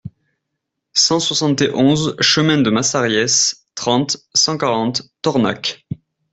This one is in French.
cent soixante et onze chemin de Massariès, trente, cent quarante, Tornac